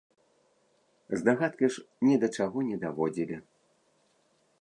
Здагадкі ж ні да чаго не даводзілі.